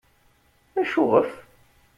Acuɣef?